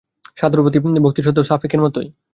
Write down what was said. সাধুর প্রতি তাঁদের ভক্তিশ্রদ্ধাও সফিকের মতোই।